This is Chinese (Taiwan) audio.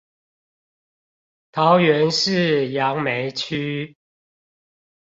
桃園市楊梅區